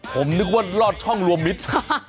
ผมนึกว่ารอดช่องรวมมิตร